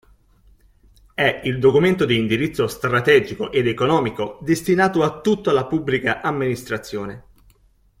È il documento di indirizzo strategico ed economico destinato a tutta la Pubblica Amministrazione.